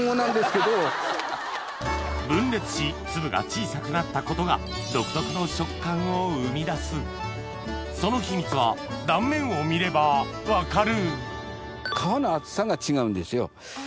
分裂し粒が小さくなったことが独特の食感を生み出すその秘密は断面を見れば分かる皮の厚さが違うんですよ。